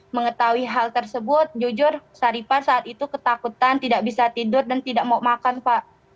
mengetahui hal tersebut jujur syarifah saat itu ketakutan tidak bisa tidur dan tidak mau makan pak